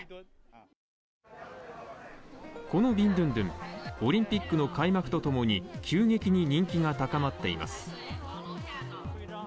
このビンドゥンドゥン、オリンピックの開幕とともに急激に人気が高まっています。